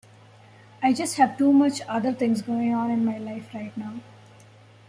I just have too much other things going in my life right now.